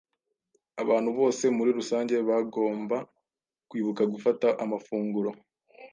Abantu bose muri rusange, bagomba kwibuka gufata amafunguro